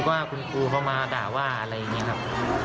ว่าคุณครูเขามาด่าว่าอะไรอย่างนี้ครับ